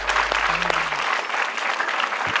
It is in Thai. วิวนักตื่นนักวิวนัก